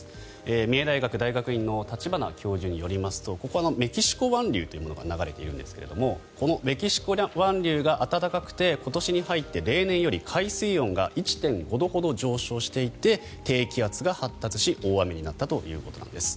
三重大学大学院の立花教授によりますとここはメキシコ湾流というものが流れているんですがこのメキシコ湾流が暖かくて今年に入って例年より海水温が１．５度ほど上昇していて低気圧が発達し大雨になったということです。